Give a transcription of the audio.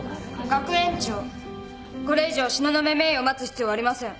・学園長これ以上東雲メイを待つ必要はありません。